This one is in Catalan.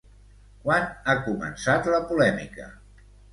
Quan ha començat la polèmica?